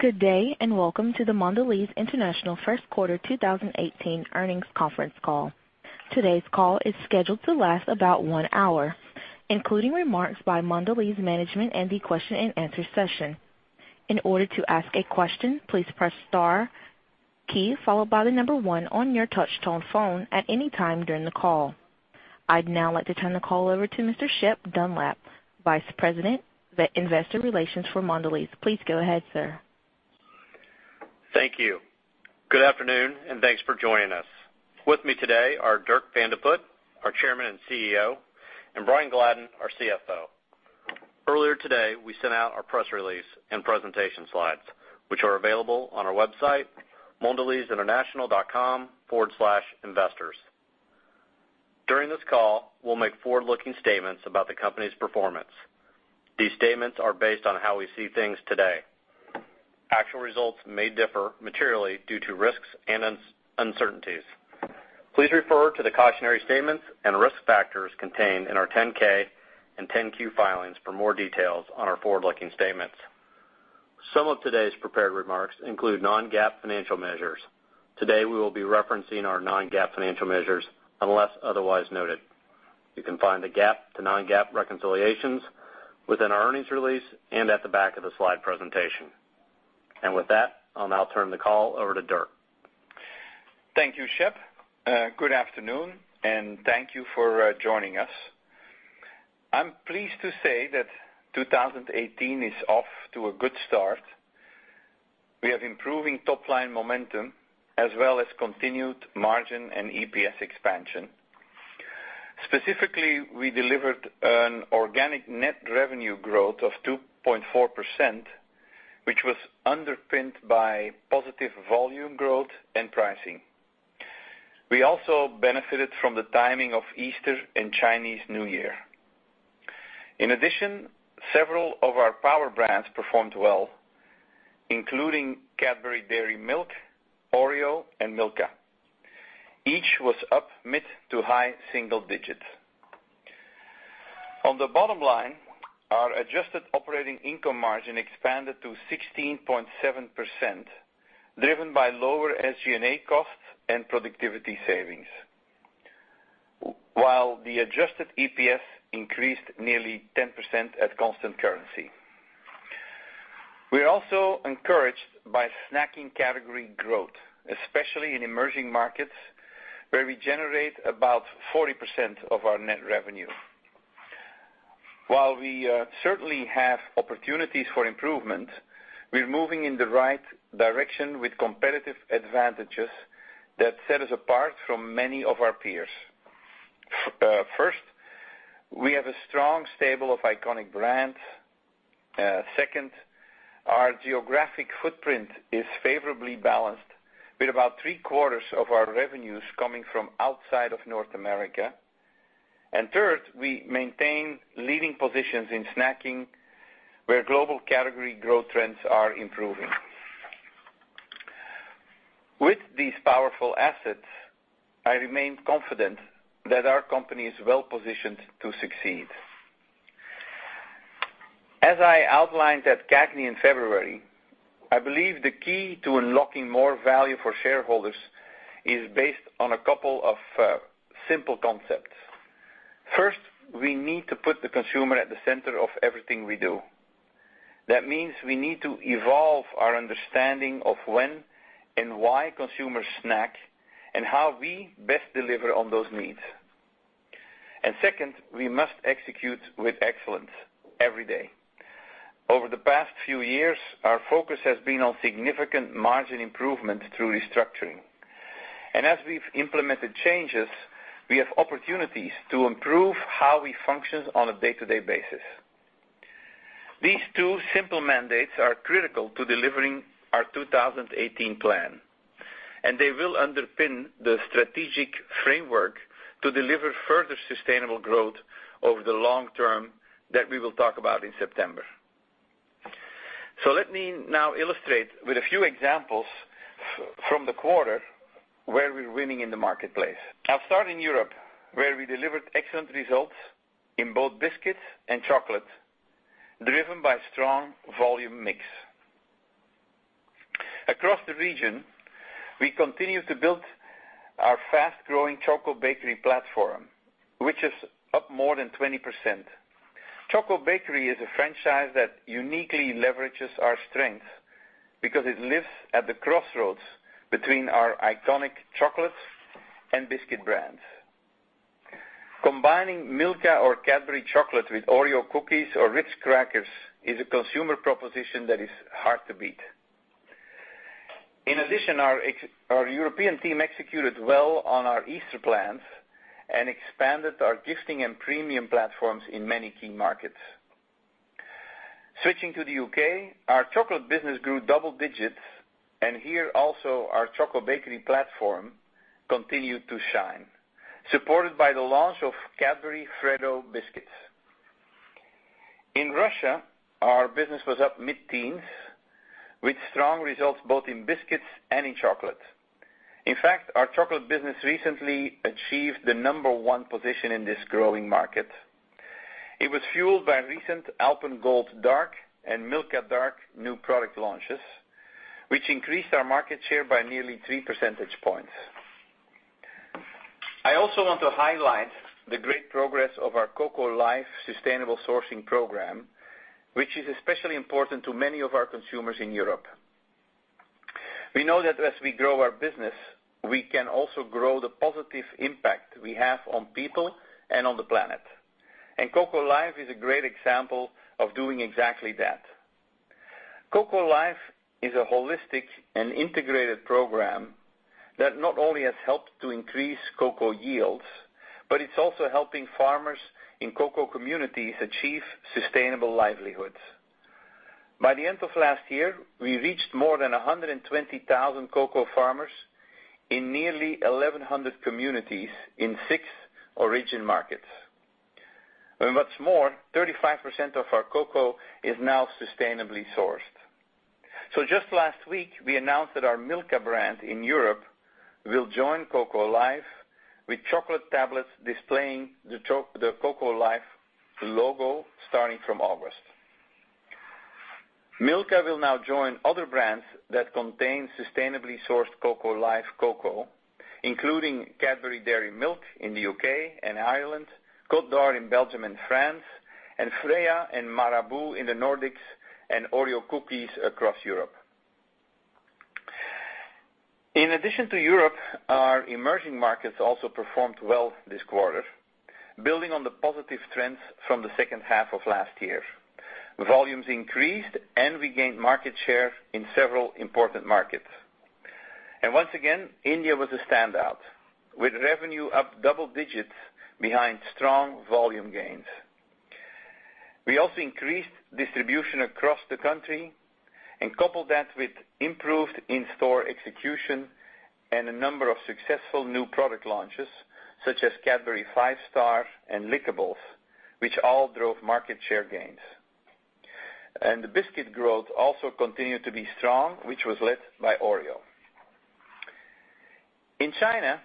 Good day, and welcome to the Mondelez International First Quarter 2018 earnings conference call. Today's call is scheduled to last about one hour, including remarks by Mondelez management and the question and answer session. In order to ask a question, please press star key followed by the number one on your touch-tone phone at any time during the call. I'd now like to turn the call over to Mr. Shep Dunlap, Vice President of Investor Relations for Mondelez. Please go ahead, sir. Thank you. Good afternoon, and thanks for joining us. With me today are Dirk Van de Put, our Chairman and CEO, and Brian Gladden, our CFO. Earlier today, we sent out our press release and presentation slides, which are available on our website, mondelezinternational.com/investors. During this call, we'll make forward-looking statements about the company's performance. These statements are based on how we see things today. Actual results may differ materially due to risks and uncertainties. Please refer to the cautionary statements and risk factors contained in our 10K and 10Q filings for more details on our forward-looking statements. Some of today's prepared remarks include non-GAAP financial measures. Today, we will be referencing our non-GAAP financial measures unless otherwise noted. You can find the GAAP to non-GAAP reconciliations within our earnings release and at the back of the slide presentation. With that, I'll now turn the call over to Dirk. Thank you, Shep. Good afternoon, and thank you for joining us. I'm pleased to say that 2018 is off to a good start. We have improving top-line momentum as well as continued margin and EPS expansion. Specifically, we delivered an organic net revenue growth of 2.4%, which was underpinned by positive volume growth and pricing. We also benefited from the timing of Easter and Chinese New Year. In addition, several of our power brands performed well, including Cadbury Dairy Milk, Oreo, and Milka. Each was up mid to high single digits. On the bottom line, our adjusted operating income margin expanded to 16.7%, driven by lower SG&A costs and productivity savings, while the adjusted EPS increased nearly 10% at constant currency. We are also encouraged by snacking category growth, especially in emerging markets, where we generate about 40% of our net revenue. While we certainly have opportunities for improvement, we're moving in the right direction with competitive advantages that set us apart from many of our peers. First, we have a strong stable of iconic brands. Second, our geographic footprint is favorably balanced, with about three-quarters of our revenues coming from outside of North America. Third, we maintain leading positions in snacking, where global category growth trends are improving. With these powerful assets, I remain confident that our company is well-positioned to succeed. As I outlined at CAGNY in February, I believe the key to unlocking more value for shareholders is based on a couple of simple concepts. First, we need to put the consumer at the center of everything we do. That means we need to evolve our understanding of when and why consumers snack and how we best deliver on those needs. Second, we must execute with excellence every day. Over the past few years, our focus has been on significant margin improvement through restructuring. As we've implemented changes, we have opportunities to improve how we function on a day-to-day basis. These two simple mandates are critical to delivering our 2018 plan, and they will underpin the strategic framework to deliver further sustainable growth over the long term that we will talk about in September. Let me now illustrate with a few examples from the quarter where we're winning in the marketplace. I'll start in Europe, where we delivered excellent results in both biscuits and chocolate, driven by strong volume mix. Across the region, we continue to build our fast-growing Choco Bakery platform, which is up more than 20%. Choco Bakery is a franchise that uniquely leverages our strength because it lives at the crossroads between our iconic chocolates and biscuit brands. Combining Milka or Cadbury chocolate with Oreo cookies or Ritz crackers is a consumer proposition that is hard to beat. In addition, our European team executed well on our Easter plans and expanded our gifting and premium platforms in many key markets. Switching to the U.K., our chocolate business grew double digits, and here also, our Choco Bakery platform continued to shine, supported by the launch of Cadbury Freddo biscuits. In Russia, our business was up mid-teens, with strong results both in biscuits and in chocolate. In fact, our chocolate business recently achieved the number one position in this growing market. It was fueled by recent Alpen Gold dark and Milka dark new product launches, which increased our market share by nearly three percentage points. I also want to highlight the great progress of our Cocoa Life sustainable sourcing program, which is especially important to many of our consumers in Europe. We know that as we grow our business, we can also grow the positive impact we have on people and on the planet. Cocoa Life is a great example of doing exactly that. Cocoa Life is a holistic and integrated program that not only has helped to increase cocoa yields, but it's also helping farmers in cocoa communities achieve sustainable livelihoods. By the end of last year, we reached more than 120,000 cocoa farmers in nearly 1,100 communities in six origin markets. What's more, 35% of our cocoa is now sustainably sourced. Just last week, we announced that our Milka brand in Europe will join Cocoa Life with chocolate tablets displaying the Cocoa Life logo starting from August. Milka will now join other brands that contain sustainably sourced Cocoa Life cocoa, including Cadbury Dairy Milk in the U.K. and Ireland, Côte d'Or in Belgium and France, Freia and Marabou in the Nordics, and Oreo cookies across Europe. In addition to Europe, our emerging markets also performed well this quarter, building on the positive trends from the second half of last year. Volumes increased, and we gained market share in several important markets. Once again, India was a standout, with revenue up double digits behind strong volume gains. We also increased distribution across the country and coupled that with improved in-store execution and a number of successful new product launches, such as Cadbury 5 Star and Lickables, which all drove market share gains. The biscuit growth also continued to be strong, which was led by Oreo. In China,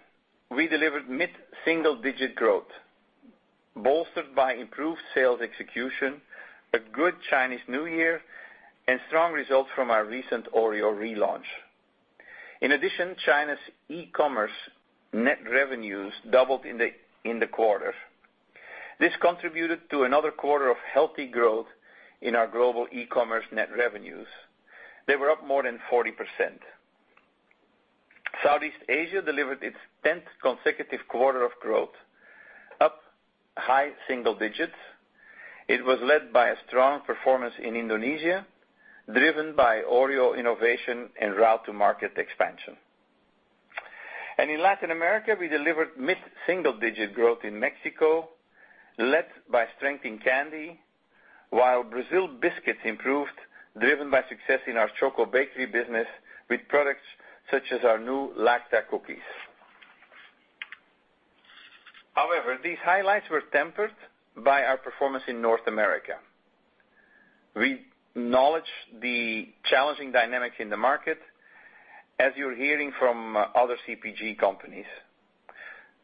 we delivered mid-single digit growth, bolstered by improved sales execution, a good Chinese New Year, and strong results from our recent Oreo relaunch. In addition, China's e-commerce net revenues doubled in the quarter. This contributed to another quarter of healthy growth in our global e-commerce net revenues. They were up more than 40%. Southeast Asia delivered its 10th consecutive quarter of growth, up high single digits. It was led by a strong performance in Indonesia, driven by Oreo innovation and route-to-market expansion. In Latin America, we delivered mid-single digit growth in Mexico, led by strength in candy, while Brazil biscuits improved, driven by success in our Choco Bakery business with products such as our new Lacta cookies. These highlights were tempered by our performance in North America. We acknowledge the challenging dynamics in the market as you're hearing from other CPG companies.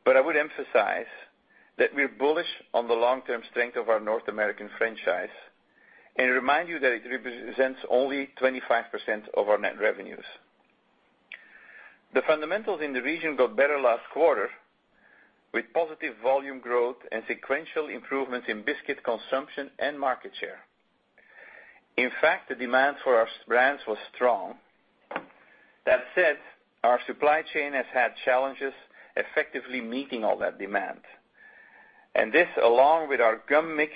I would emphasize that we're bullish on the long-term strength of our North American franchise and remind you that it represents only 25% of our net revenues. The fundamentals in the region got better last quarter, with positive volume growth and sequential improvements in biscuit consumption and market share. In fact, the demand for our brands was strong. That said, our supply chain has had challenges effectively meeting all that demand. This, along with our gum mix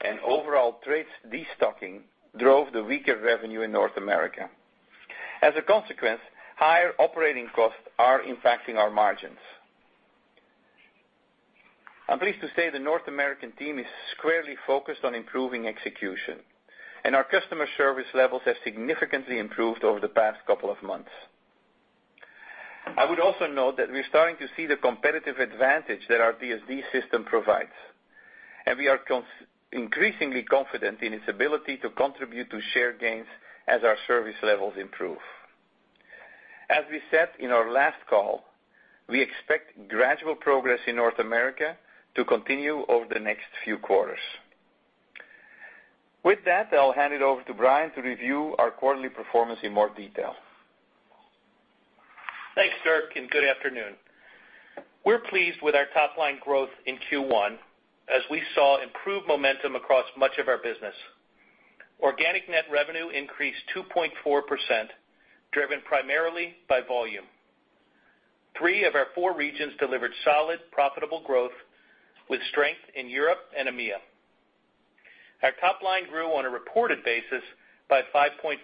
and overall trades destocking, drove the weaker revenue in North America. As a consequence, higher operating costs are impacting our margins. I'm pleased to say the North American team is squarely focused on improving execution, and our customer service levels have significantly improved over the past couple of months. I would also note that we're starting to see the competitive advantage that our DSD system provides, and we are increasingly confident in its ability to contribute to share gains as our service levels improve. As we said in our last call, we expect gradual progress in North America to continue over the next few quarters. With that, I'll hand it over to Brian to review our quarterly performance in more detail. Thanks, Dirk, and good afternoon. We're pleased with our top-line growth in Q1, as we saw improved momentum across much of our business. Organic net revenue increased 2.4%, driven primarily by volume. Three of our four regions delivered solid, profitable growth, with strength in Europe and AMEA. Our top line grew on a reported basis by 5.5%,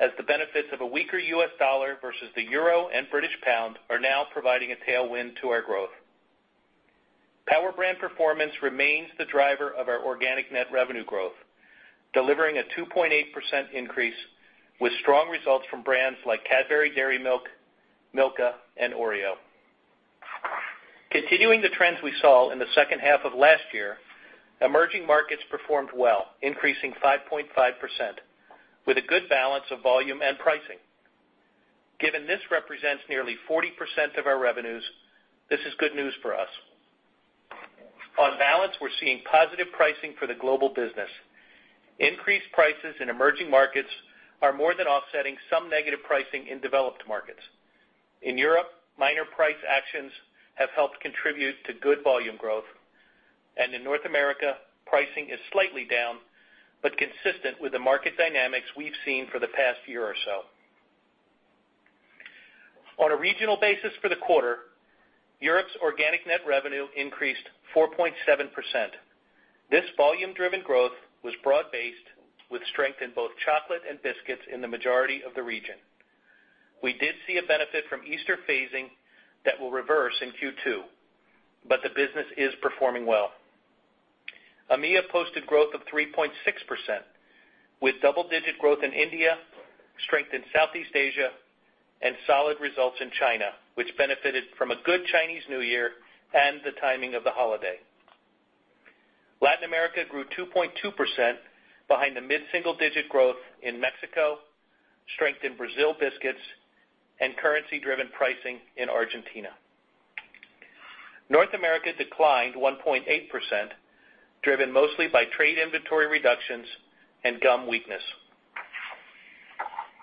as the benefits of a weaker U.S. dollar versus the euro and British pound are now providing a tailwind to our growth. Power brand performance remains the driver of our organic net revenue growth, delivering a 2.8% increase with strong results from brands like Cadbury Dairy Milk, Milka, and Oreo. Continuing the trends we saw in the second half of last year, emerging markets performed well, increasing 5.5%, with a good balance of volume and pricing. Given this represents nearly 40% of our revenues, this is good news for us. On balance, we're seeing positive pricing for the global business. Increased prices in emerging markets are more than offsetting some negative pricing in developed markets. In Europe, minor price actions have helped contribute to good volume growth. In North America, pricing is slightly down but consistent with the market dynamics we've seen for the past year or so. On a regional basis for the quarter, Europe's organic net revenue increased 4.7%. This volume-driven growth was broad-based, with strength in both chocolate and biscuits in the majority of the region. We did see a benefit from Easter phasing that will reverse in Q2, but the business is performing well. AMEA posted growth of 3.6%, with double-digit growth in India, strength in Southeast Asia, and solid results in China, which benefited from a good Chinese New Year and the timing of the holiday. Latin America grew 2.2% behind the mid-single digit growth in Mexico, strength in Brazil biscuits, and currency-driven pricing in Argentina. North America declined 1.8%, driven mostly by trade inventory reductions and gum weakness.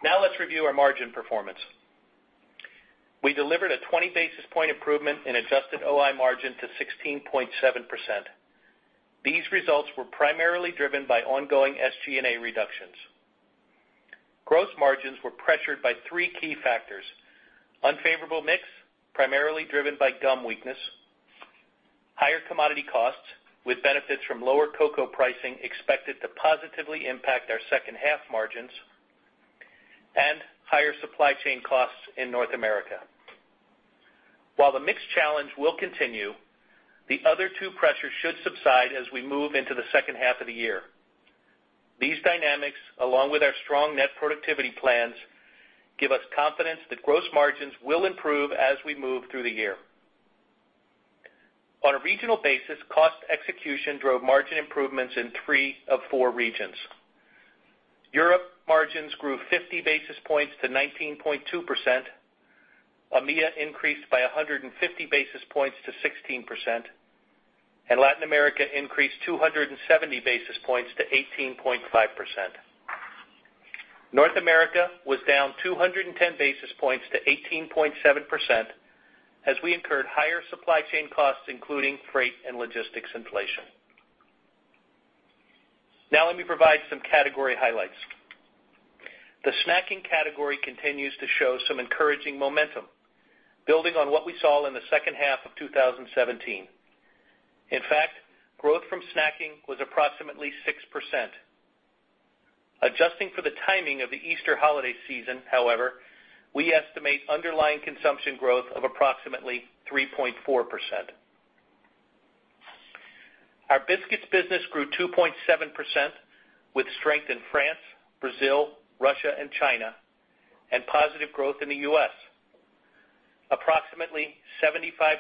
Now let's review our margin performance. We delivered a 20-basis point improvement in adjusted OI margin to 16.7%. These results were primarily driven by ongoing SG&A reductions. Gross margins were pressured by three key factors: unfavorable mix, primarily driven by gum weakness; higher commodity costs, with benefits from lower cocoa pricing expected to positively impact our second half margins; and higher supply chain costs in North America. While the mix challenge will continue, the other two pressures should subside as we move into the second half of the year. These dynamics, along with our strong net productivity plans, give us confidence that gross margins will improve as we move through the year. On a regional basis, cost execution drove margin improvements in three of four regions. Europe margins grew 50 basis points to 19.2%, AMEA increased by 150 basis points to 16%, and Latin America increased 270 basis points to 18.5%. North America was down 210 basis points to 18.7% as we incurred higher supply chain costs, including freight and logistics inflation. Now let me provide some category highlights. The snacking category continues to show some encouraging momentum, building on what we saw in the second half of 2017. In fact, growth from snacking was approximately 6%. Adjusting for the timing of the Easter holiday season, however, we estimate underlying consumption growth of approximately 3.4%. Our biscuits business grew 2.7%, with strength in France, Brazil, Russia, and China, and positive growth in the U.S. Approximately 75%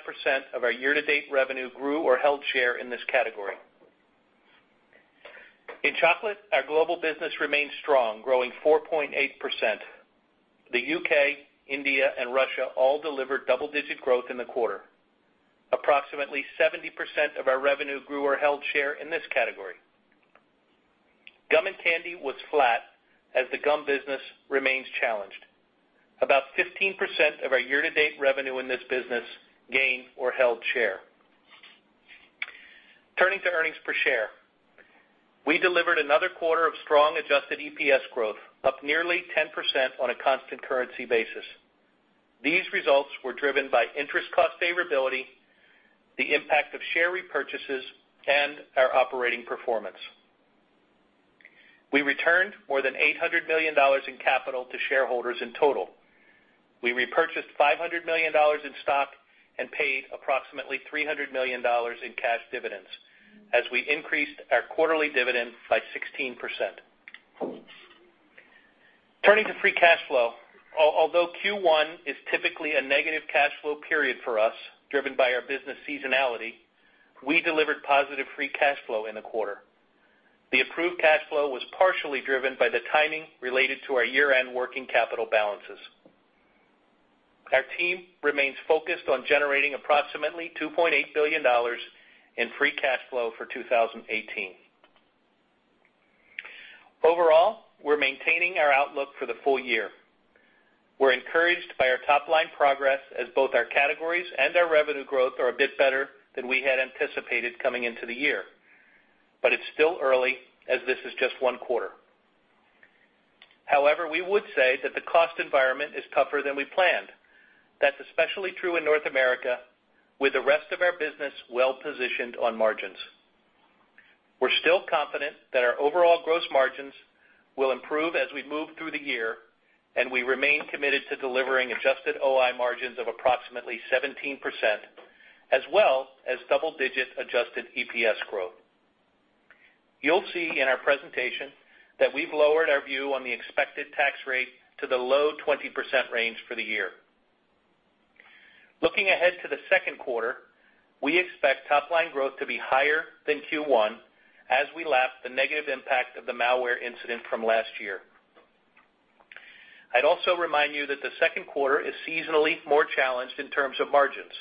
of our year-to-date revenue grew or held share in this category. In chocolate, our global business remains strong, growing 4.8%. The U.K., India, and Russia all delivered double-digit growth in the quarter. Approximately 70% of our revenue grew or held share in this category. Gum and candy was flat as the gum business remains challenged. About 15% of our year-to-date revenue in this business gained or held share. Turning to earnings per share. We delivered another quarter of strong adjusted EPS growth, up nearly 10% on a constant currency basis. These results were driven by interest cost favorability, the impact of share repurchases, and our operating performance. We returned more than $800 million in capital to shareholders in total. We repurchased $500 million in stock and paid approximately $300 million in cash dividends as we increased our quarterly dividend by 16%. Turning to free cash flow. Although Q1 is typically a negative cash flow period for us, driven by our business seasonality, we delivered positive free cash flow in the quarter. The approved cash flow was partially driven by the timing related to our year-end working capital balances. Our team remains focused on generating approximately $2.8 billion in free cash flow for 2018. Overall, we're maintaining our outlook for the full year. We're encouraged by our top-line progress as both our categories and our revenue growth are a bit better than we had anticipated coming into the year, but it's still early as this is just one quarter. However, we would say that the cost environment is tougher than we planned. That's especially true in North America, with the rest of our business well positioned on margins. We're still confident that our overall gross margins will improve as we move through the year, and we remain committed to delivering adjusted OI margins of approximately 17%, as well as double-digit adjusted EPS growth. You'll see in our presentation that we've lowered our view on the expected tax rate to the low 20% range for the year. Looking ahead to the second quarter, we expect top-line growth to be higher than Q1 as we lap the negative impact of the malware incident from last year. I'd also remind you that the second quarter is seasonally more challenged in terms of margins.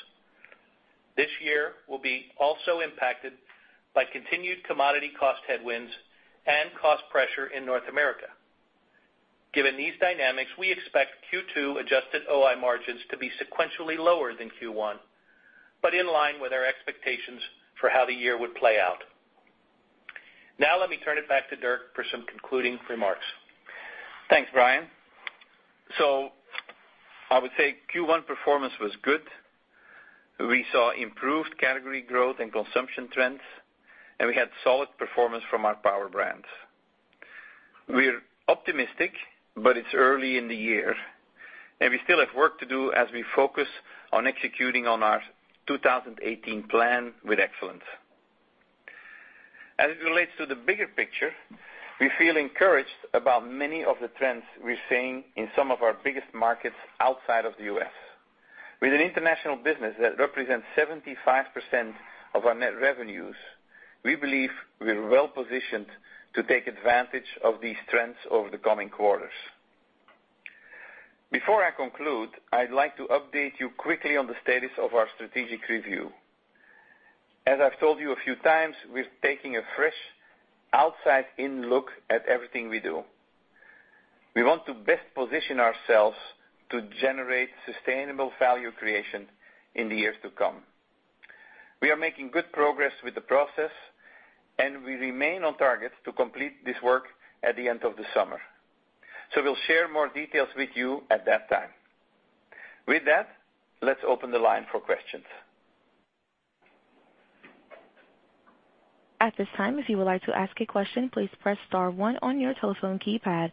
This year will be also impacted by continued commodity cost headwinds and cost pressure in North America. Given these dynamics, we expect Q2 adjusted OI margins to be sequentially lower than Q1, but in line with our expectations for how the year would play out. Now, let me turn it back to Dirk for some concluding remarks. Thanks, Brian. I would say Q1 performance was good. We saw improved category growth and consumption trends, and we had solid performance from our power brands. We're optimistic, but it's early in the year, and we still have work to do as we focus on executing on our 2018 plan with excellence. As it relates to the bigger picture, we feel encouraged about many of the trends we're seeing in some of our biggest markets outside of the U.S. With an international business that represents 75% of our net revenues, we believe we're well-positioned to take advantage of these trends over the coming quarters. Before I conclude, I'd like to update you quickly on the status of our strategic review. As I've told you a few times, we're taking a fresh, outside-in look at everything we do. We want to best position ourselves to generate sustainable value creation in the years to come. We are making good progress with the process, and we remain on target to complete this work at the end of the summer. We'll share more details with you at that time. With that, let's open the line for questions. At this time, if you would like to ask a question, please press star one on your telephone keypad.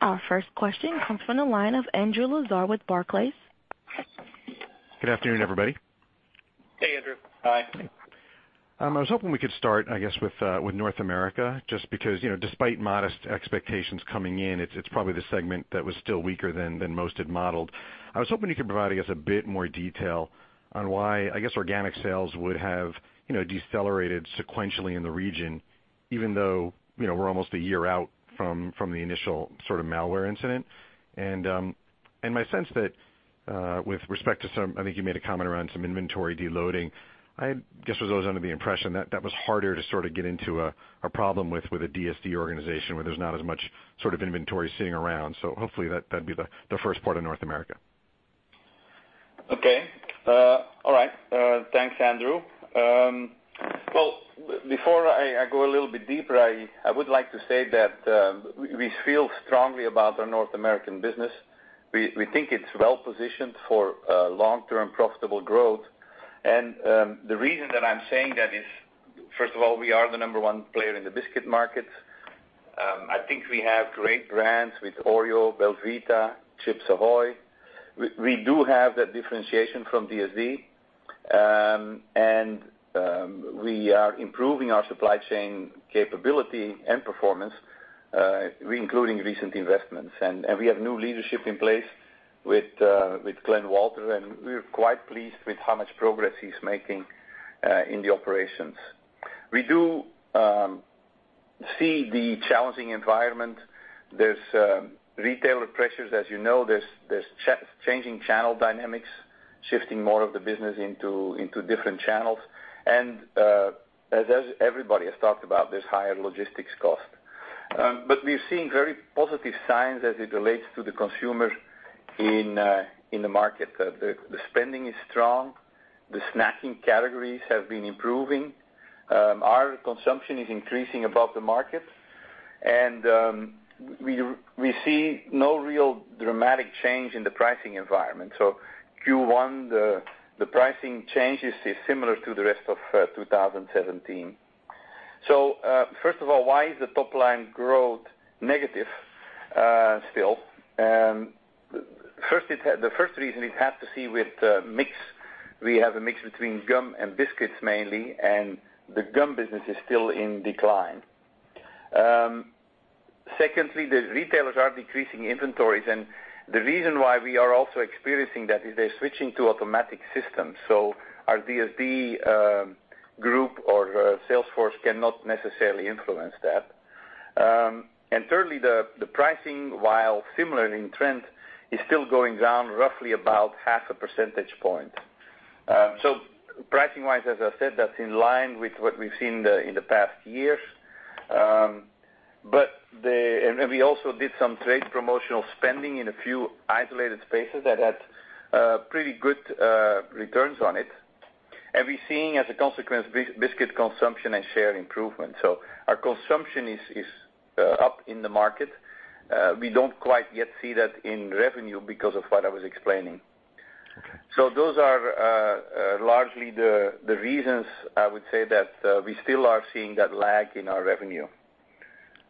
Our first question comes from the line of Andrew Lazar with Barclays. Good afternoon, everybody. Hey, Andrew. Hi. I was hoping we could start, I guess, with North America, just because, despite modest expectations coming in, it's probably the segment that was still weaker than most had modeled. I was hoping you could provide us a bit more detail on why, I guess, organic sales would have decelerated sequentially in the region, even though we're almost a year out from the initial sort of malware incident. My sense that with respect to some, I think you made a comment around some inventory deloading. I guess I was under the impression that was harder to sort of get into a problem with a DSD organization where there's not as much sort of inventory sitting around. Hopefully that'd be the first part of North America. Okay. All right. Thanks, Andrew. Before I go a little bit deeper, I would like to say that we feel strongly about our North American business. We think it's well-positioned for long-term profitable growth, the reason that I'm saying that is, first of all, we are the number 1 player in the biscuit market. I think we have great brands with Oreo, belVita, Chips Ahoy!. We do have that differentiation from DSD, we are improving our supply chain capability and performance, including recent investments. We have new leadership in place with Glen Walter, we're quite pleased with how much progress he's making in the operations. We do see the challenging environment. There's retailer pressures, as you know. There's changing channel dynamics, shifting more of the business into different channels. As everybody has talked about, there's higher logistics cost. We're seeing very positive signs as it relates to the consumer in the market. The spending is strong. The snacking categories have been improving. Our consumption is increasing above the market, we see no real dramatic change in the pricing environment. Q1, the pricing changes is similar to the rest of 2017. First of all, why is the top-line growth negative still? The first reason, it has to see with mix. We have a mix between gum and biscuits mainly, the gum business is still in decline. Secondly, the retailers are decreasing inventories, the reason why we are also experiencing that is they're switching to automatic systems. Our DSD group or sales force cannot necessarily influence that. Thirdly, the pricing, while similar in trend, is still going down roughly about half a percentage point. Pricing-wise, as I said, that's in line with what we've seen in the past years. We also did some trade promotional spending in a few isolated spaces that had pretty good returns on it. We're seeing, as a consequence, biscuit consumption and share improvement. Our consumption is up in the market. We don't quite yet see that in revenue because of what I was explaining. Okay. those are largely the reasons I would say that we still are seeing that lag in our revenue.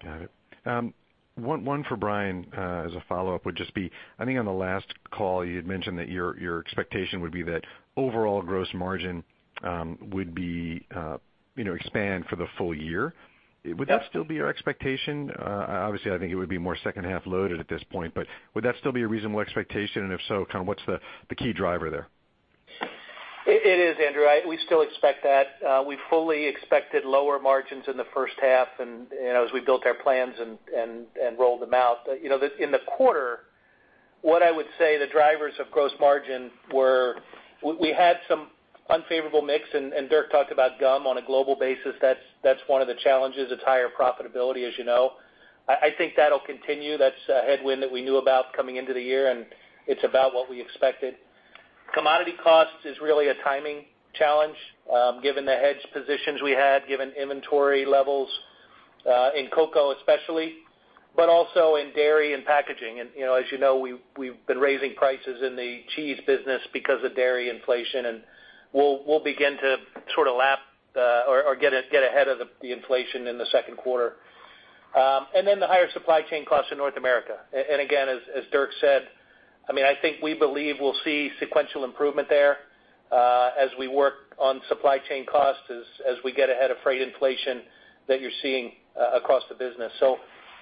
Got it. One for Brian, as a follow-up, would just be, I think on the last call, you had mentioned that your expectation would be that overall gross margin would expand for the full year. Yep. Would that still be your expectation? Obviously, I think it would be more second half loaded at this point, but would that still be a reasonable expectation? If so, what's the key driver there? It is, Andrew. We still expect that. We fully expected lower margins in the first half and as we built our plans and rolled them out. In the quarter, what I would say the drivers of gross margin were, we had some unfavorable mix, and Dirk talked about gum on a global basis. That's one of the challenges. It's higher profitability, as you know. I think that'll continue. That's a headwind that we knew about coming into the year, and it's about what we expected. Commodity costs is really a timing challenge, given the hedge positions we had, given inventory levels, in cocoa especially, but also in dairy and packaging. As you know, we've been raising prices in the cheese business because of dairy inflation, and we'll begin to sort of lap the or get ahead of the inflation in the second quarter. The higher supply chain costs in North America. Again, as Dirk said, I think we believe we'll see sequential improvement there, as we work on supply chain costs, as we get ahead of freight inflation that you're seeing across the business.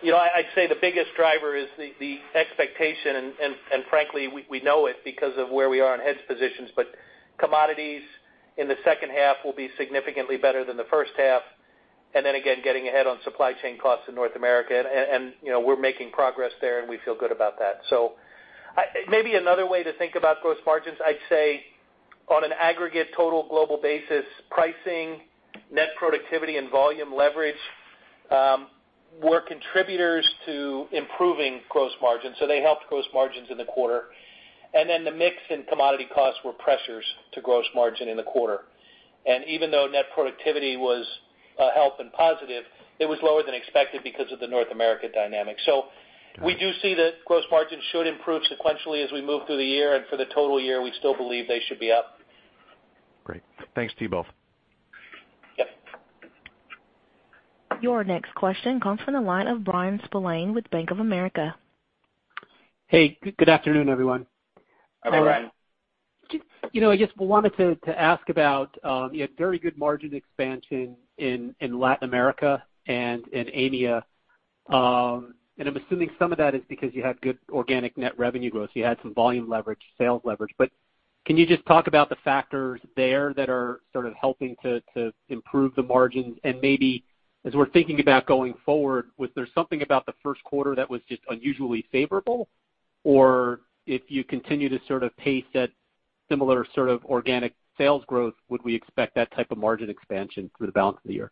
I'd say the biggest driver is the expectation, and frankly, we know it because of where we are on hedge positions, but commodities in the second half will be significantly better than the first half. Again, getting ahead on supply chain costs in North America, and we're making progress there, and we feel good about that. Maybe another way to think about gross margins, I'd say on an aggregate total global basis, pricing, net productivity and volume leverage, were contributors to improving gross margins. They helped gross margins in the quarter. The mix in commodity costs were pressures to gross margin in the quarter. Even though net productivity was a help and positive, it was lower than expected because of the North America dynamic. We do see that gross margins should improve sequentially as we move through the year, and for the total year, we still believe they should be up. Great. Thanks to you both. Yep. Your next question comes from the line of Bryan Spillane with Bank of America. Hey, good afternoon, everyone. Hi, Bryan. I just wanted to ask about, you had very good margin expansion in Latin America and in AMEA. I'm assuming some of that is because you had good organic net revenue growth, you had some volume leverage, sales leverage. Can you just talk about the factors there that are sort of helping to improve the margins? Maybe as we're thinking about going forward, was there something about the first quarter that was just unusually favorable? Or if you continue to sort of pace that similar sort of organic sales growth, would we expect that type of margin expansion through the balance of the year?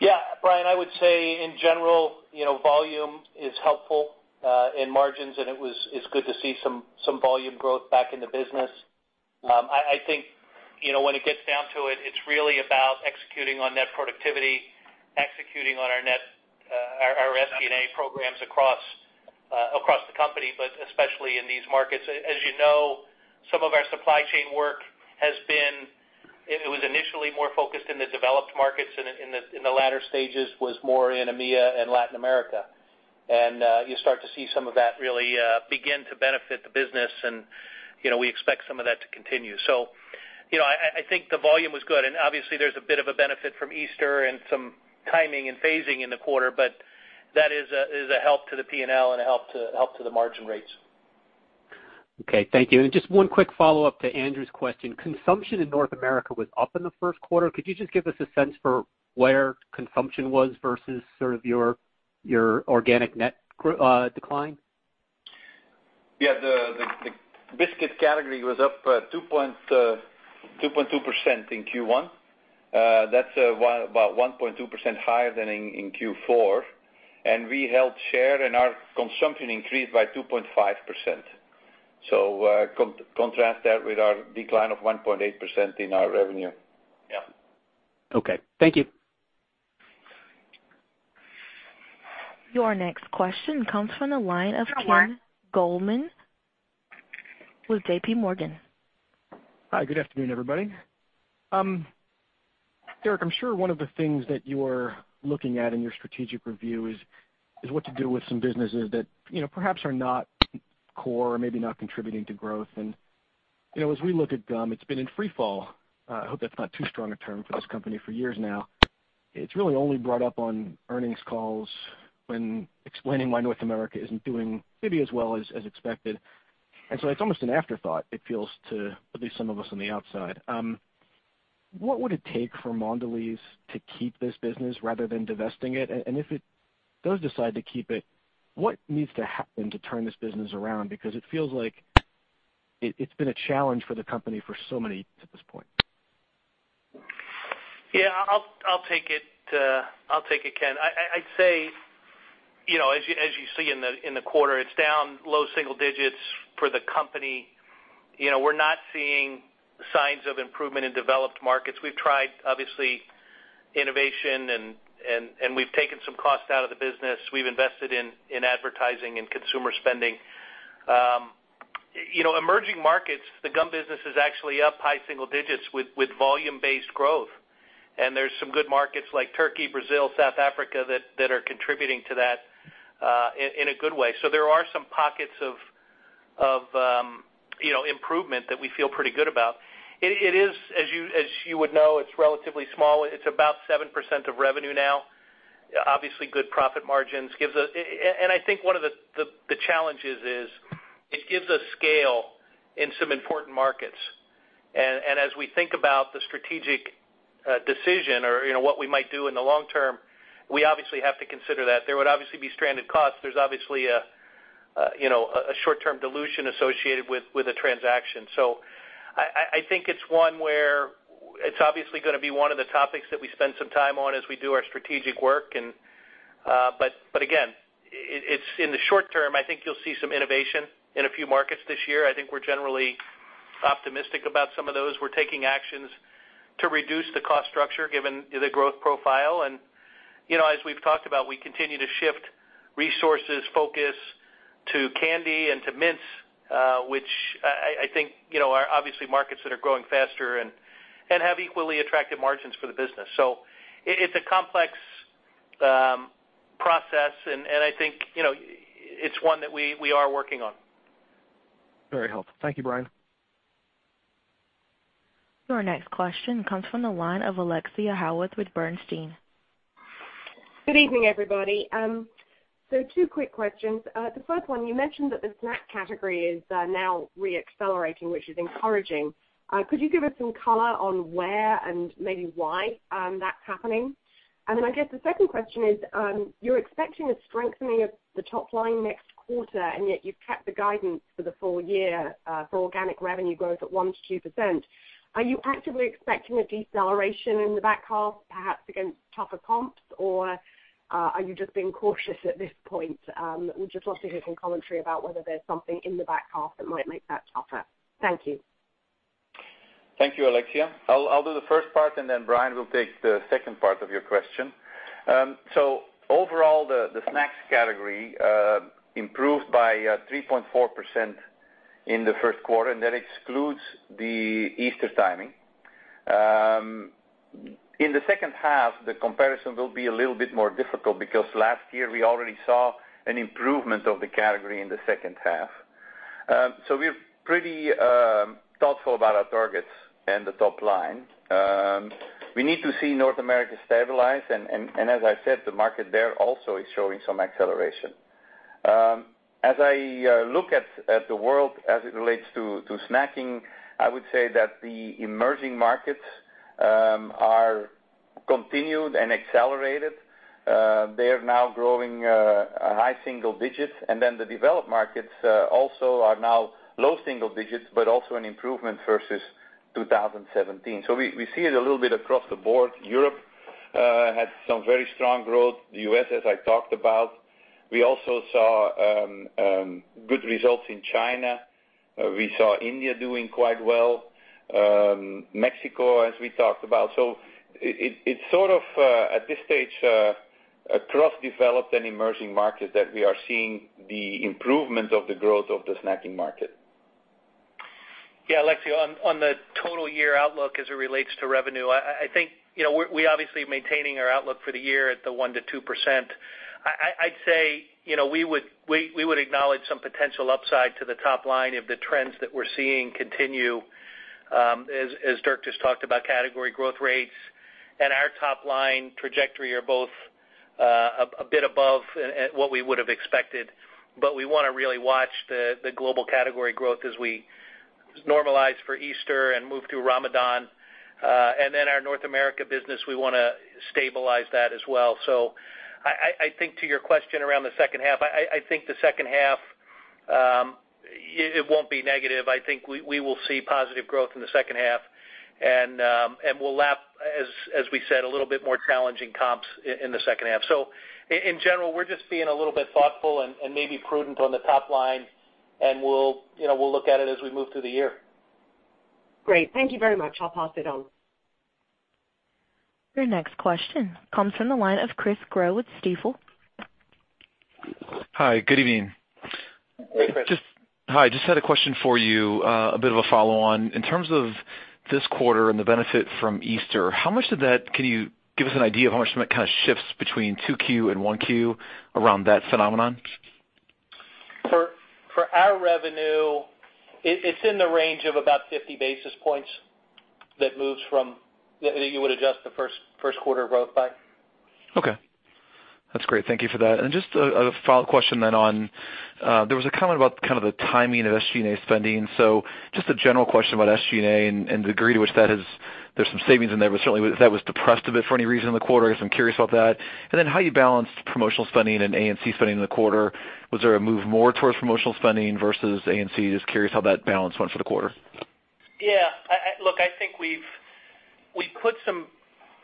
Yeah, Bryan, I would say in general, volume is helpful, in margins, it's good to see some volume growth back in the business. I think when it gets down to it's really about executing on net productivity, executing on our SG&A programs across the company, but especially in these markets. As you know, some of our supply chain work it was initially more focused in the developed markets, in the latter stages was more in AMEA and Latin America. You start to see some of that really begin to benefit the business, and we expect some of that to continue. I think the volume was good. Obviously there's a bit of a benefit from Easter and some timing and phasing in the quarter, but that is a help to the P&L and a help to the margin rates. Okay, thank you. Just one quick follow-up to Andrew's question. Consumption in North America was up in the first quarter. Could you just give us a sense for where consumption was versus sort of your organic net decline? Yeah. The biscuit category was up 2.2% in Q1. That's about 1.2% higher than in Q4. We held share and our consumption increased by 2.5%. Contrast that with our decline of 1.8% in our revenue. Yeah. Okay. Thank you. Your next question comes from the line of Ken Goldman with JP Morgan. Hi, good afternoon, everybody. Dirk, I'm sure one of the things that you're looking at in your strategic review is what to do with some businesses that perhaps are not core or maybe not contributing to growth. As we look at gum, it's been in free fall, I hope that's not too strong a term for this company, for years now. It's really only brought up on earnings calls when explaining why North America isn't doing maybe as well as expected. It's almost an afterthought, it feels to at least some of us on the outside. What would it take for Mondelez to keep this business rather than divesting it? If it does decide to keep it, what needs to happen to turn this business around? Because it feels like it's been a challenge for the company for so many years at this point. Yeah. I'll take it, Ken. I'd say, as you see in the quarter, it's down low single digits for the company. We're not seeing signs of improvement in developed markets. We've tried, obviously, innovation and we've taken some cost out of the business. We've invested in advertising and consumer spending. Emerging markets, the gum business is actually up high single digits with volume-based growth. There's some good markets like Turkey, Brazil, South Africa, that are contributing to that, in a good way. There are some pockets of improvement that we feel pretty good about. It is, as you would know, it's relatively small. It's about 7% of revenue now. Obviously good profit margins. I think one of the challenges is it gives us scale in some important markets. As we think about the strategic decision or what we might do in the long term, we obviously have to consider that. There would obviously be stranded costs. There's obviously a short-term dilution associated with a transaction. I think it's obviously going to be one of the topics that we spend some time on as we do our strategic work. Again, in the short term, I think you'll see some innovation in a few markets this year. I think we're generally optimistic about some of those. We're taking actions to reduce the cost structure, given the growth profile. As we've talked about, we continue to shift resources focus to candy and to mints, which I think are obviously markets that are growing faster and have equally attractive margins for the business. It's a complex process, and I think it's one that we are working on. Very helpful. Thank you, Brian. Your next question comes from the line of Alexia Howard with Bernstein. Good evening, everybody. Two quick questions. The first one, you mentioned that the snack category is now re-accelerating, which is encouraging. Could you give us some color on where and maybe why that's happening? I guess the second question is, you're expecting a strengthening of the top line next quarter, yet you've kept the guidance for the full year for organic revenue growth at 1%-2%. Are you actively expecting a deceleration in the back half, perhaps against tougher comps? Are you just being cautious at this point? We just want to hear some commentary about whether there's something in the back half that might make that tougher. Thank you. Thank you, Alexia. I'll do the first part, Brian will take the second part of your question. Overall, the snacks category improved by 3.4% in the first quarter, that excludes the Easter timing. In the second half, the comparison will be a little bit more difficult because last year we already saw an improvement of the category in the second half. We're pretty thoughtful about our targets and the top line. We need to see North America stabilize, as I said, the market there also is showing some acceleration. As I look at the world as it relates to snacking, I would say that the emerging markets are continued and accelerated. They are now growing high single digits, the developed markets also are now low single digits, but also an improvement versus 2017. We see it a little bit across the board. Europe had some very strong growth. The U.S., as I talked about. We also saw good results in China. We saw India doing quite well. Mexico, as we talked about. It's sort of, at this stage, across developed and emerging markets that we are seeing the improvement of the growth of the snacking market. Alexia Howard, on the total year outlook as it relates to revenue, I think we obviously are maintaining our outlook for the year at the 1%-2%. I'd say we would acknowledge some potential upside to the top line if the trends that we're seeing continue, as Dirk just talked about, category growth rates and our top-line trajectory are both a bit above what we would have expected. We want to really watch the global category growth as we normalize for Easter and move to Ramadan. Our North America business, we want to stabilize that as well. I think to your question around the second half, I think the second half, it won't be negative. I think we will see positive growth in the second half, and we'll lap, as we said, a little bit more challenging comps in the second half. In general, we're just being a little bit thoughtful and maybe prudent on the top line, and we'll look at it as we move through the year. Great. Thank you very much. I'll pass it on. Your next question comes from the line of Chris Growe with Stifel. Hi, good evening. Hey, Chris. Hi, just had a question for you, a bit of a follow-on. In terms of this quarter and the benefit from Easter, can you give us an idea of how much that kind of shifts between two Q and one Q around that phenomenon? For our revenue, it's in the range of about 50 basis points that you would adjust the first quarter growth by. Okay. That's great. Thank you for that. Just a follow-up question, there was a comment about the timing of SG&A spending. Just a general question about SG&A and the degree to which there's some savings in there. Certainly, that was depressed a bit for any reason in the quarter. I guess I'm curious about that. How you balanced promotional spending and A&C spending in the quarter. Was there a move more towards promotional spending versus A&C? Just curious how that balance went for the quarter. Yeah. Look, I think we've put some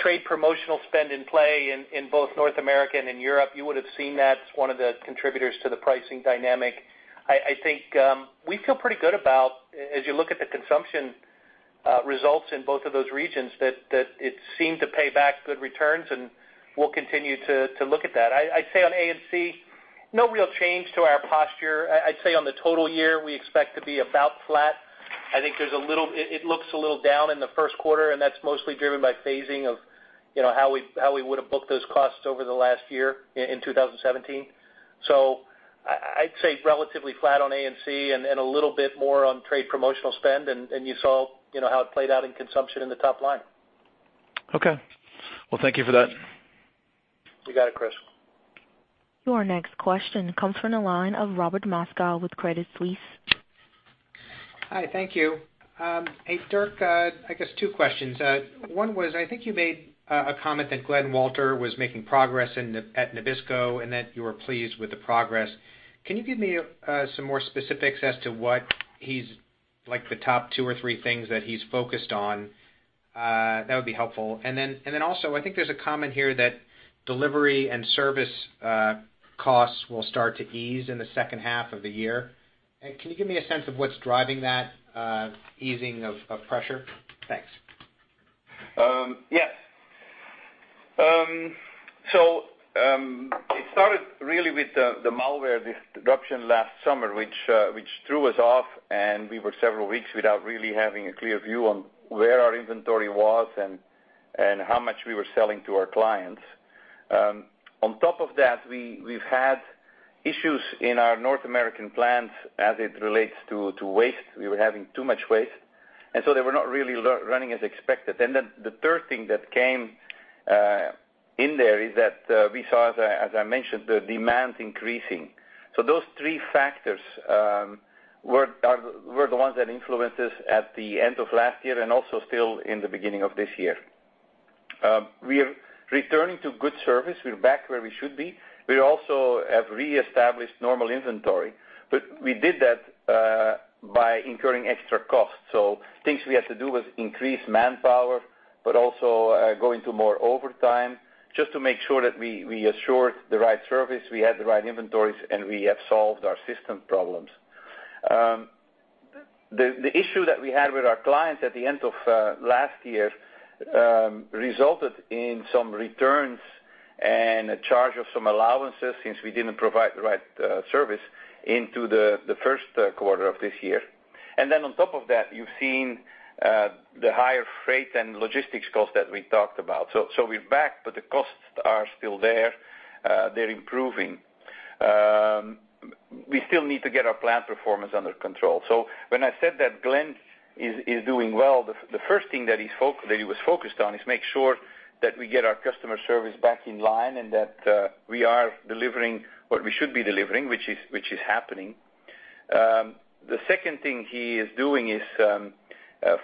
trade promotional spend in play in both North America and in Europe. You would've seen that as one of the contributors to the pricing dynamic. I think we feel pretty good about, as you look at the consumption results in both of those regions, that it seemed to pay back good returns, and we'll continue to look at that. I'd say on A&C, no real change to our posture. I'd say on the total year, we expect to be about flat. I think it looks a little down in Q1, and that's mostly driven by phasing of how we would've booked those costs over the last year in 2017. I'd say relatively flat on A&C and a little bit more on trade promotional spend, and you saw how it played out in consumption in the top line. Okay. Well, thank you for that. You got it, Chris. Your next question comes from the line of Robert Moskow with Credit Suisse. Hi, thank you. Hey, Dirk, I guess two questions. One was, I think you made a comment that Glen Walter was making progress at Nabisco and that you were pleased with the progress. Can you give me some more specifics as to what the top two or three things that he's focused on? That would be helpful. Also, I think there's a comment here that delivery and service costs will start to ease in the second half of the year. Can you give me a sense of what's driving that easing of pressure? Thanks. Yeah. It started really with the malware disruption last summer, which threw us off, and we were several weeks without really having a clear view on where our inventory was and how much we were selling to our clients. On top of that, we've had issues in our North American plants as it relates to waste. They were not really running as expected. The third thing that came in there is that we saw, as I mentioned, the demand increasing. Those three factors were the ones that influenced us at the end of last year and also still in the beginning of this year. We are returning to good service. We're back where we should be. We also have reestablished normal inventory, but we did that by incurring extra costs. Things we had to do was increase manpower, also go into more overtime just to make sure that we assured the right service, we had the right inventories, and we have solved our system problems. The issue that we had with our clients at the end of last year resulted in some returns and a charge of some allowances since we didn't provide the right service into the first quarter of this year. On top of that, you've seen the higher freight and logistics costs that we talked about. We're back, but the costs are still there. They're improving. We still need to get our plant performance under control. When I said that Glen is doing well, the first thing that he was focused on is make sure that we get our customer service back in line and that we are delivering what we should be delivering, which is happening. The second thing he is doing is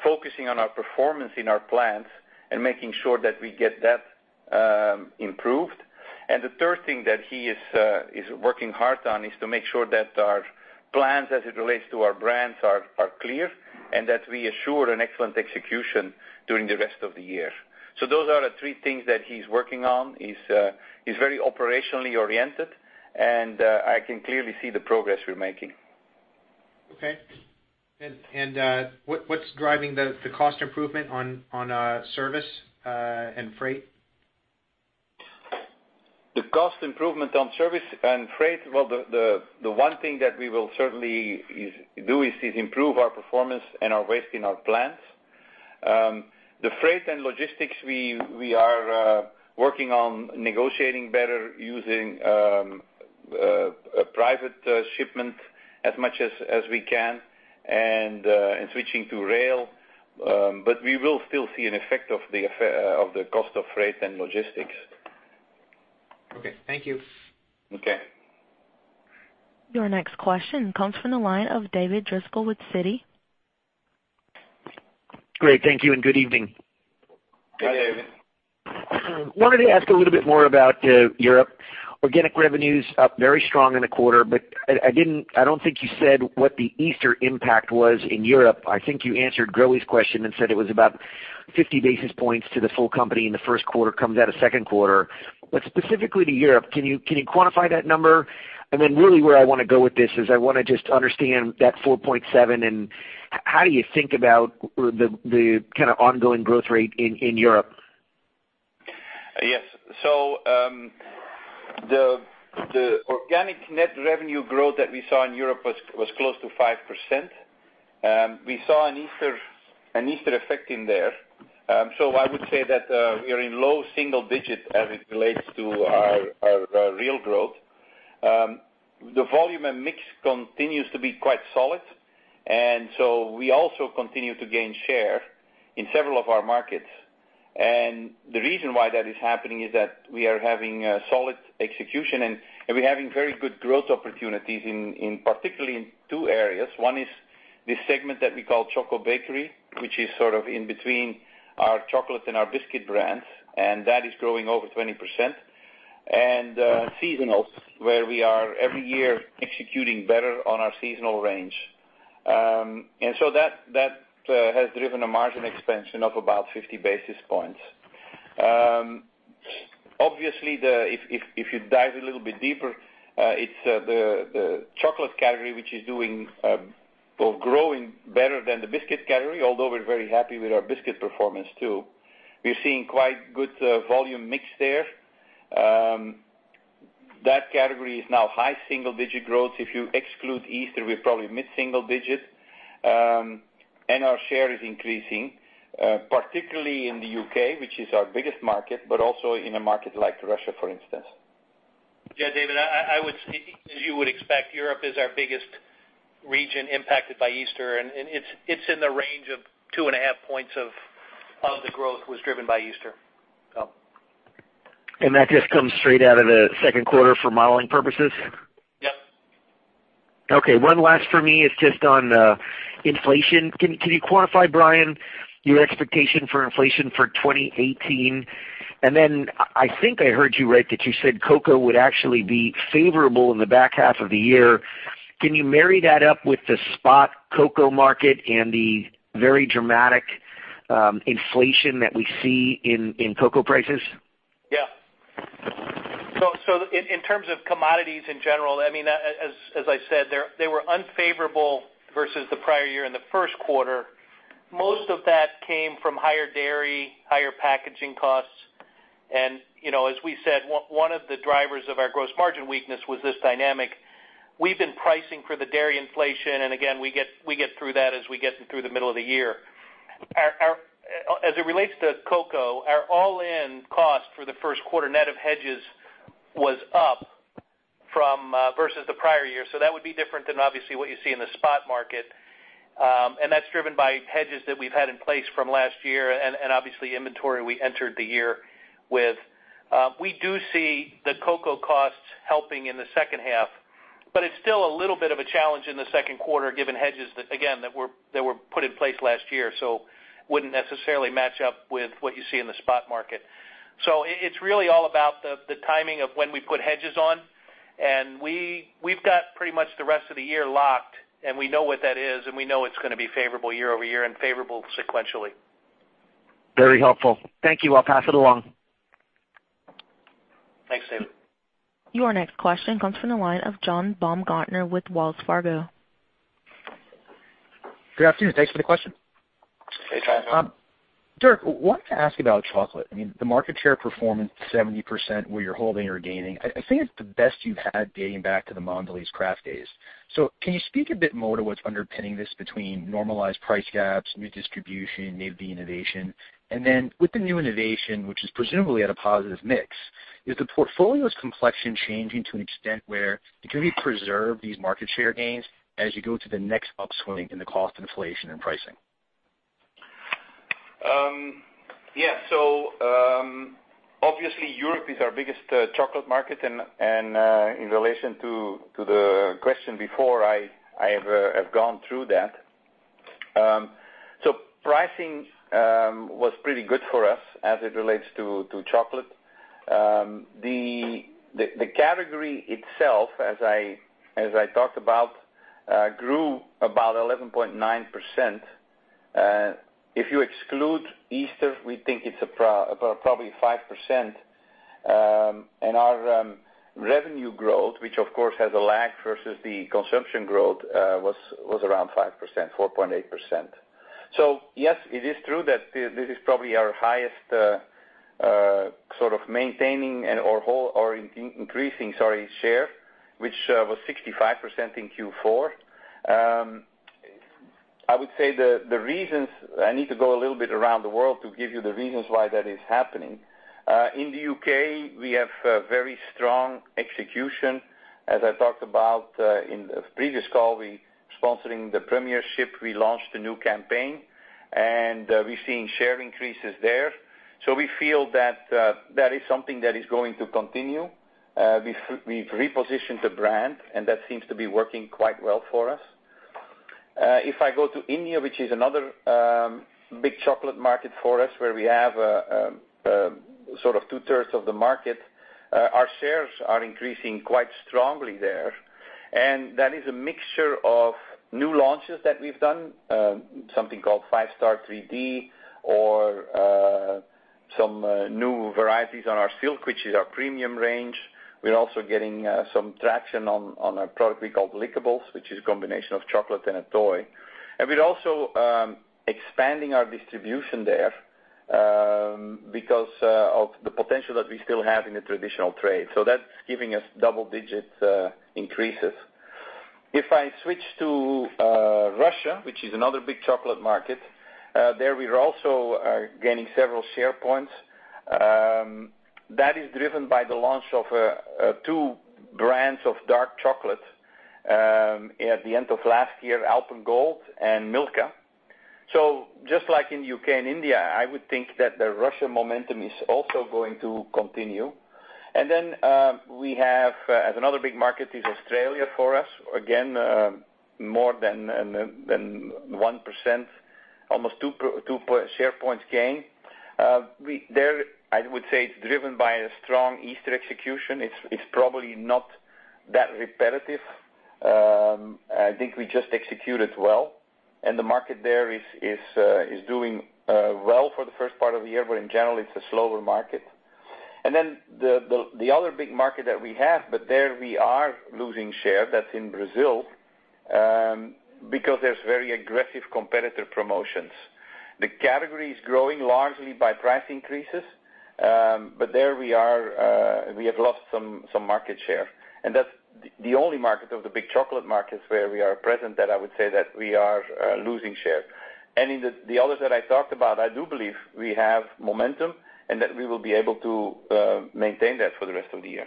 focusing on our performance in our plants and making sure that we get that improved. The third thing that he is working hard on is to make sure that our plans as it relates to our brands are clear and that we assure an excellent execution during the rest of the year. Those are the three things that he's working on. He's very operationally oriented, and I can clearly see the progress we're making. Okay. What's driving the cost improvement on service and freight? The cost improvement on service and freight, well, the one thing that we will certainly do is improve our performance and our waste in our plants. The freight and logistics, we are working on negotiating better using private shipment as much as we can and switching to rail. We will still see an effect of the cost of freight and logistics. Okay. Thank you. Okay. Your next question comes from the line of David Driscoll with Citi. Great. Thank you and good evening. Hi, David. I wanted to ask a little bit more about Europe. Organic revenues up very strong in the quarter, I don't think you said what the Easter impact was in Europe. I think you answered Growe's question and said it was about 50 basis points to the full company in the first quarter, comes out of second quarter. Specifically to Europe, can you quantify that number? Really where I want to go with this is I want to just understand that 4.7%, and how do you think about the kind of ongoing growth rate in Europe? Yes. The organic net revenue growth that we saw in Europe was close to 5%. We saw an Easter effect in there. I would say that we are in low single digits as it relates to our real growth. The volume and mix continues to be quite solid, we also continue to gain share in several of our markets. The reason why that is happening is that we are having a solid execution, and we're having very good growth opportunities particularly in two areas. One is this segment that we call Choco Bakery, which is sort of in between our chocolate and our biscuit brands, and that is growing over 20%. Seasonals, where we are every year executing better on our seasonal range. That has driven a margin expansion of about 50 basis points. Obviously, if you dive a little bit deeper, it's the chocolate category, which is growing better than the biscuit category, although we're very happy with our biscuit performance, too. We're seeing quite good volume mix there. That category is now high single-digit growth. If you exclude Easter, we're probably mid-single digit. Our share is increasing, particularly in the U.K., which is our biggest market, but also in a market like Russia, for instance. David, I would say, as you would expect, Europe is our biggest region impacted by Easter, and it's in the range of 2.5 points of the growth was driven by Easter. That just comes straight out of the second quarter for modeling purposes? Yep. Okay, one last for me is just on inflation. Can you quantify, Brian, your expectation for inflation for 2018? I think I heard you right that you said cocoa would actually be favorable in the back half of the year. Can you marry that up with the spot cocoa market and the very dramatic inflation that we see in cocoa prices? Yeah. In terms of commodities in general, as I said, they were unfavorable versus the prior year in the first quarter. Most of that came from higher dairy, higher packaging costs, and as we said, one of the drivers of our gross margin weakness was this dynamic. We've been pricing for the dairy inflation, and again, we get through that as we get through the middle of the year. As it relates to cocoa, our all-in cost for the first quarter net of hedges was up versus the prior year. That would be different than obviously what you see in the spot market. That's driven by hedges that we've had in place from last year and obviously inventory we entered the year with. We do see the cocoa costs helping in the second half, but it's still a little bit of a challenge in the second quarter, given hedges, again, that were put in place last year, so wouldn't necessarily match up with what you see in the spot market. It's really all about the timing of when we put hedges on, and we've got pretty much the rest of the year locked, and we know what that is, and we know it's going to be favorable year-over-year and favorable sequentially. Very helpful. Thank you. I'll pass it along. Thanks, David. Your next question comes from the line of John Baumgartner with Wells Fargo. Good afternoon. Thanks for the question. Hey, John. Dirk, wanted to ask about chocolate. The market share performance, 70% where you're holding or gaining, I think it's the best you've had dating back to the Mondelez International days. Can you speak a bit more to what's underpinning this between normalized price gaps, new distribution, maybe the innovation? With the new innovation, which is presumably at a positive mix, is the portfolio's complexion changing to an extent where, can we preserve these market share gains as you go to the next upswing in the cost inflation and pricing? Yeah. Obviously, Europe is our biggest chocolate market, in relation to the question before, I have gone through that. Pricing was pretty good for us as it relates to chocolate. The category itself, as I talked about, grew about 11.9%. If you exclude Easter, we think it's probably 5%. Our revenue growth, which of course has a lag versus the consumption growth, was around 5%, 4.8%. Yes, it is true that this is probably our highest sort of maintaining or increasing, sorry, share, which was 65% in Q4. I would say the reasons, I need to go a little bit around the world to give you the reasons why that is happening. In the U.K., we have very strong execution. As I talked about in the previous call, we sponsoring the premiership, we launched a new campaign, we're seeing share increases there. We feel that that is something that is going to continue. We've repositioned the brand, that seems to be working quite well for us. If I go to India, which is another big chocolate market for us, where we have sort of two-thirds of the market, our shares are increasing quite strongly there. That is a mixture of new launches that we've done, something called Five Star 3D or some new varieties on our Silk, which is our premium range. We're also getting some traction on a product we call Lickables, which is a combination of chocolate and a toy. We're also expanding our distribution there because of the potential that we still have in the traditional trade. That's giving us double-digit increases. If I switch to Russia, which is another big chocolate market, there we are also gaining several share points. That is driven by the launch of two brands of dark chocolate at the end of last year, Alpen Gold and Milka. Just like in U.K. and India, I would think that the Russia momentum is also going to continue. We have, as another big market, is Australia for us. Again, more than 1%, almost two share points gain. There, I would say it's driven by a strong Easter execution. It's probably not that repetitive. I think we just executed well, and the market there is doing well for the first part of the year, but in general, it's a slower market. The other big market that we have, but there we are losing share, that's in Brazil, because there's very aggressive competitor promotions. The category is growing largely by price increases. There we have lost some market share, and that's the only market of the big chocolate markets where we are present that I would say that we are losing shares. In the others that I talked about, I do believe we have momentum and that we will be able to maintain that for the rest of the year.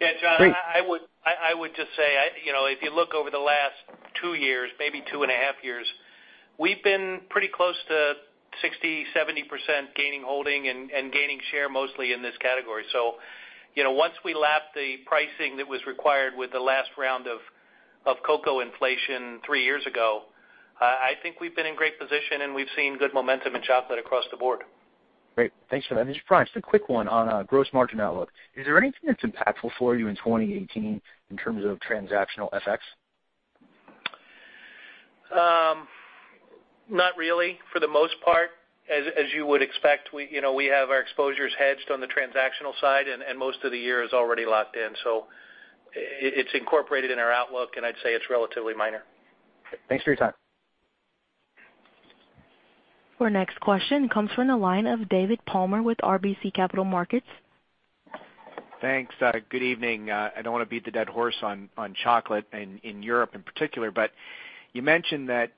Yeah, John, I would just say, if you look over the last two years, maybe two and a half years, we've been pretty close to 60%-70% gaining holding and gaining share, mostly in this category. Once we lap the pricing that was required with the last round of cocoa inflation three years ago, I think we've been in great position, and we've seen good momentum in chocolate across the board. Great. Thanks for that. Just, Brian, just a quick one on gross margin outlook. Is there anything that's impactful for you in 2018 in terms of transactional FX? Not really, for the most part, as you would expect. We have our exposures hedged on the transactional side, and most of the year is already locked in. It's incorporated in our outlook, and I'd say it's relatively minor. Thanks for your time. Our next question comes from the line of David Palmer with RBC Capital Markets. Thanks. Good evening. I don't want to beat the dead horse on chocolate in Europe in particular. You mentioned that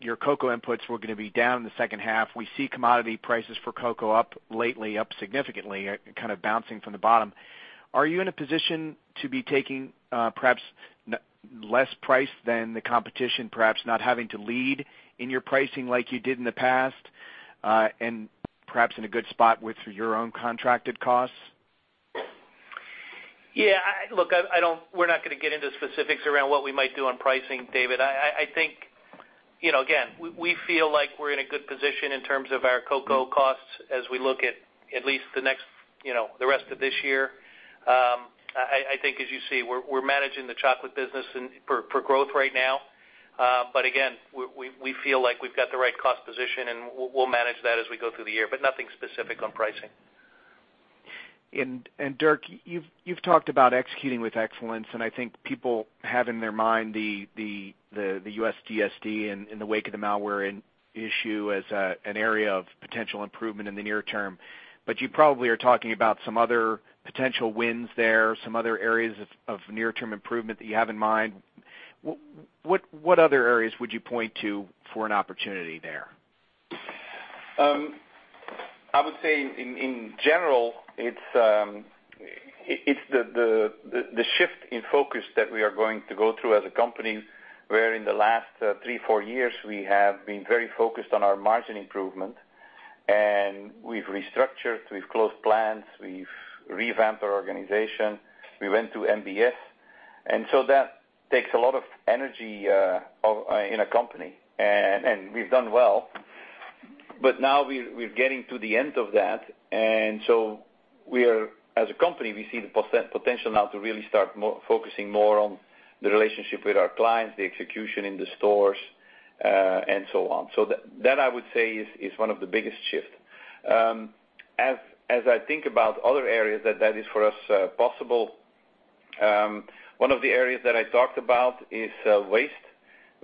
your cocoa inputs were going to be down in the second half. We see commodity prices for cocoa up lately, up significantly, kind of bouncing from the bottom. Are you in a position to be taking perhaps less price than the competition, perhaps not having to lead in your pricing like you did in the past, and perhaps in a good spot with your own contracted costs? Yeah, look, we're not going to get into specifics around what we might do on pricing, David. I think, again, we feel like we're in a good position in terms of our cocoa costs as we look at least the rest of this year. I think, as you see, we're managing the chocolate business for growth right now. Again, we feel like we've got the right cost position, and we'll manage that as we go through the year, but nothing specific on pricing. Dirk, you've talked about executing with excellence, and I think people have in their mind the U.S. DSD in the wake of the malware issue as an area of potential improvement in the near term. You probably are talking about some other potential wins there, some other areas of near-term improvement that you have in mind. What other areas would you point to for an opportunity there? I would say, in general, it's the shift in focus that we are going to go through as a company, where in the last three, four years, we have been very focused on our margin improvement. We've restructured, we've closed plants, we've revamped our organization, we went to MBS. That takes a lot of energy in a company, and we've done well. Now we're getting to the end of that, as a company, we see the potential now to really start focusing more on the relationship with our clients, the execution in the stores, and so on. That, I would say, is one of the biggest shifts. As I think about other areas that is for us possible, one of the areas that I talked about is waste.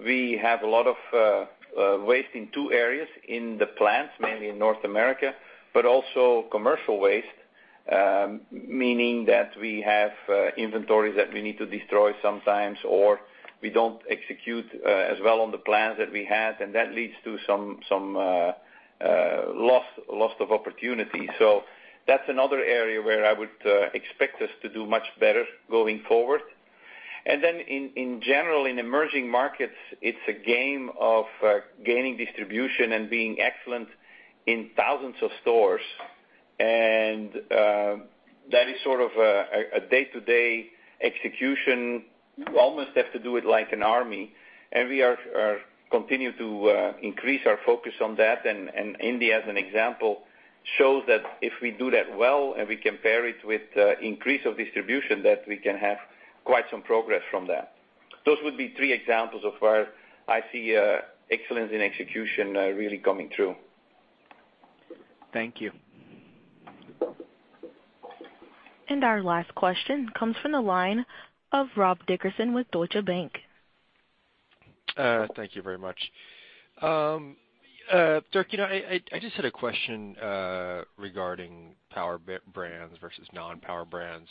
We have a lot of waste in two areas, in the plants, mainly in North America, but also commercial waste, meaning that we have inventories that we need to destroy sometimes, or we don't execute as well on the plans that we had, and that leads to some loss of opportunity. That's another area where I would expect us to do much better going forward. In general, in emerging markets, it's a game of gaining distribution and being excellent in thousands of stores. That is sort of a day-to-day execution. You almost have to do it like an army, and we continue to increase our focus on that. India, as an example, shows that if we do that well and we compare it with increase of distribution, that we can have quite some progress from that. Those would be three examples of where I see excellence in execution really coming through. Thank you. Our last question comes from the line of Rob Dickerson with Deutsche Bank. Thank you very much. Dirk, I just had a question regarding power brands versus non-power brands.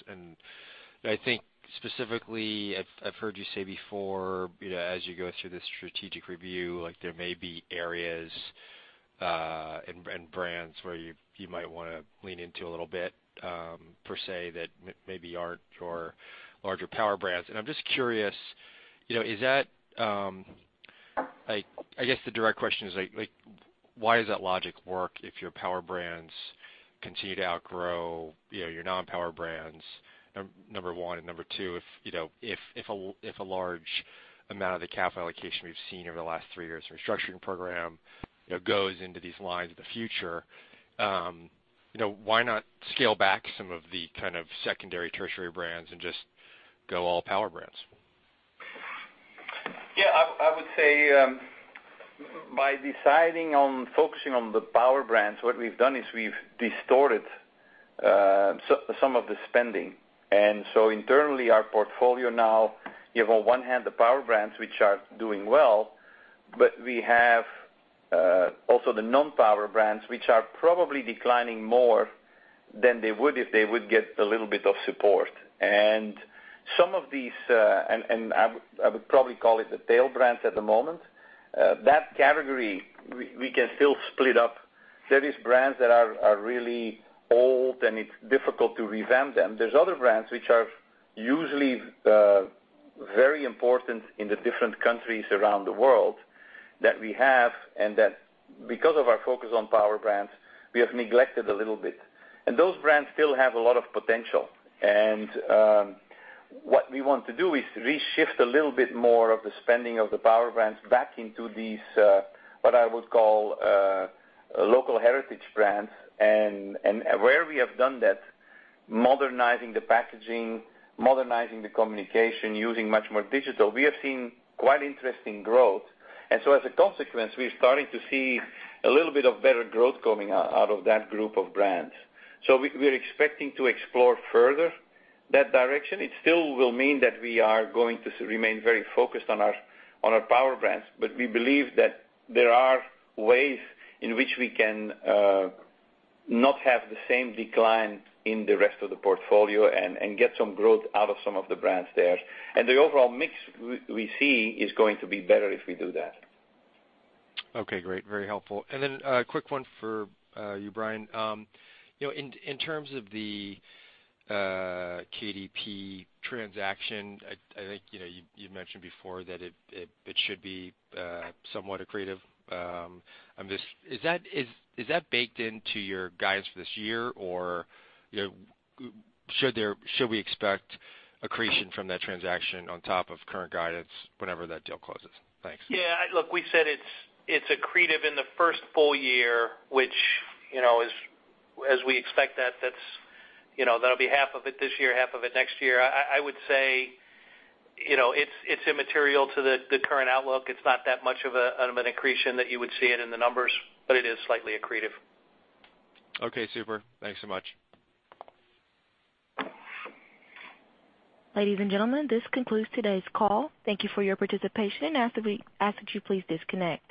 I think specifically, I've heard you say before, as you go through this strategic review, there may be areas and brands where you might want to lean into a little bit, per se, that maybe aren't your larger power brands. I'm just curious, I guess the direct question is why does that logic work if your power brands continue to outgrow your non-power brands, number one, and number two, if a large amount of the capital allocation we've seen over the last three years from restructuring program goes into these lines in the future, why not scale back some of the kind of secondary, tertiary brands and just go all power brands? I would say by deciding on focusing on the power brands, what we've done is we've distorted some of the spending. Internally, our portfolio now, you have on one hand the power brands, which are doing well, but we have also the non-power brands, which are probably declining more than they would if they would get a little bit of support. Some of these, I would probably call it the tail brands at the moment, that category, we can still split up. There is brands that are really old, and it's difficult to revamp them. There's other brands which are usually very important in the different countries around the world that we have, and that because of our focus on power brands, we have neglected a little bit. Those brands still have a lot of potential. What we want to do is reshift a little bit more of the spending of the power brands back into these, what I would call local heritage brands. Where we have done that, modernizing the packaging, modernizing the communication, using much more digital, we have seen quite interesting growth. As a consequence, we're starting to see a little bit of better growth coming out of that group of brands. We're expecting to explore further that direction. It still will mean that we are going to remain very focused on our power brands, but we believe that there are ways in which we can not have the same decline in the rest of the portfolio and get some growth out of some of the brands there. The overall mix we see is going to be better if we do that. Okay, great. Very helpful. A quick one for you, Brian. In terms of the KDP transaction, I think you mentioned before that it should be somewhat accretive. Is that baked into your guidance for this year, or should we expect accretion from that transaction on top of current guidance whenever that deal closes? Thanks. Look, we said it's accretive in the first full year, which as we expect that'll be half of it this year, half of it next year. I would say it's immaterial to the current outlook. It's not that much of an accretion that you would see it in the numbers, but it is slightly accretive. Okay, super. Thanks so much. Ladies and gentlemen, this concludes today's call. Thank you for your participation. We ask that you please disconnect.